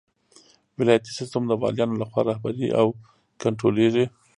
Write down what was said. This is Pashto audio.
ولایتي سیسټم د والیانو لخوا رهبري او کنټرولیږي.